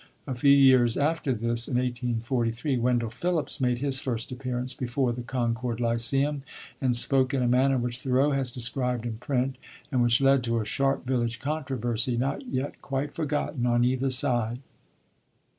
A few years after this (in 1843), Wendell Phillips made his first appearance before the Concord Lyceum, and spoke in a manner which Thoreau has described in print, and which led to a sharp village controversy, not yet quite forgotten on either side.